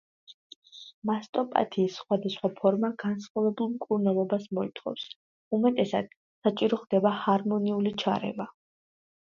მასტოპათიის სხვადასხვა ფორმა განსხვავებულ მკურნალობას მოითხოვს, უმეტესად, საჭირო ხდება ჰორმონული ჩარევა.